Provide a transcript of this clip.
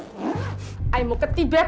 saya mau ke tibet